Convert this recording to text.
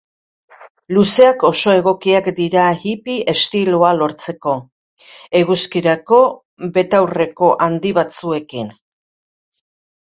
Luzeak oso egokiak dira hippie estiloa lortzeko, eguzkirako betaurreko handi batzuekin.